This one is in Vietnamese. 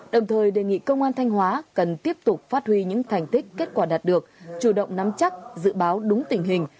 đồng thời đề nghị công an thanh hóa cần tiếp tục phát huy những thành tích kết quả đạt được chủ động nắm chắc dự báo đúng tình hình